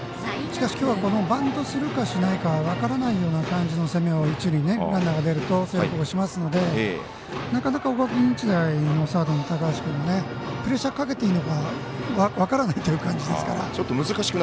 しかし、きょうはバントするかしないか分からないような感じの攻めを一塁にランナーが出るとしますのでなかなか、大垣日大のサードの高橋君プレッシャーかけていいのか分からないという感じですから。